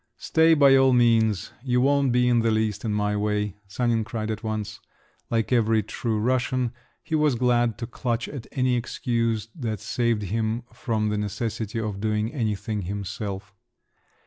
"Stay by all means! You won't be in the least in my way," Sanin cried at once. Like every true Russian he was glad to clutch at any excuse that saved him from the necessity of doing anything himself.